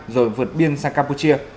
rồi vượt biên sang campuchia